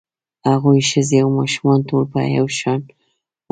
هغوی ښځې او ماشومان ټول په یو شان وژل